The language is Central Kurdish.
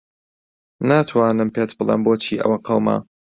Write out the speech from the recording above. ناتوانم پێت بڵێم بۆچی ئەوە قەوما.